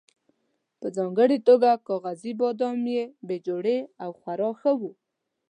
په ځانګړې توګه کاغذي بادام یې بې جوړې او خورا ښه وو.